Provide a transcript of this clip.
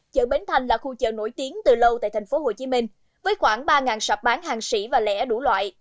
chợ bến thành là khu chợ nổi tiếng từ lâu tại tp hcm với khoảng ba sạp bán hàng sĩ và lẻ đủ loại